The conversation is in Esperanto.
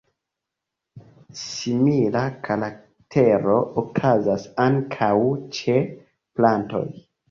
Simila karaktero okazas ankaŭ ĉe plantoj.